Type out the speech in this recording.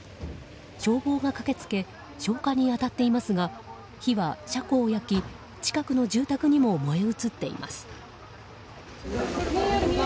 消防が駆けつけ消火に当たっていますが火は車庫を焼き近くの住宅にも燃え移っています。